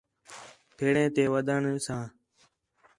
پھیڑیں تے ودھݨ ساں